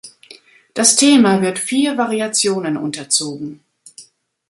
Das Thema wird vier Variationen unterzogen.